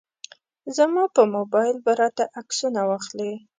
زما په موبایل به راته عکسونه واخلي.